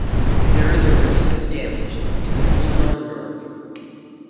There is a risk of damage to the ulnar nerve.